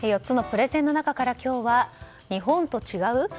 ４つのプレゼンの中から今日は日本と違う？